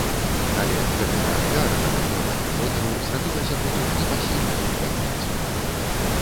Але гэтая ахвяра на падтрыманне гонару зрабілася потым непасільнаю для князя.